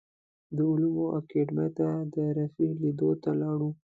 د علومو اکاډیمۍ ته د رفیع لیدو ته لاړو.